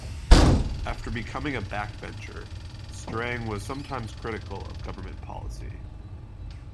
After becoming a backbencher, Strang was sometimes critical of government policy.